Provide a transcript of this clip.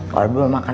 kalau dia makan